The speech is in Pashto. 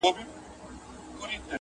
له عطاره یې عطرونه رانیوله٫